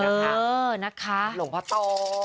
เออนะคะหลวงพ่อโต